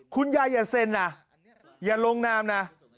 คุณยายอย่าเซนนะอย่าลงนามนะ